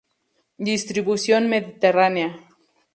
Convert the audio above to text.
Distribución mediterránea.